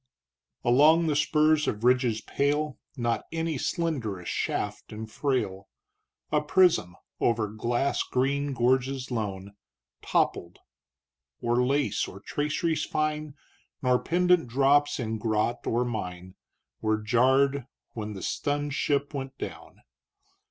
Along the spurs of ridges pale, Not any slenderest shaft and frail, A prism over glass green gorges lone, Toppled; or lace or traceries fine, Nor pendant drops in grot or mine Were jarred, when the stunned ship went down.